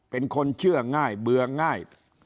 เป็นคนเชื่อง่ายเบื่อง่าย